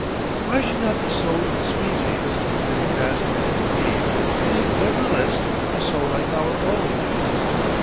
Why should not the soul of the species, many faceted indeed, be nevertheless a soul like our own?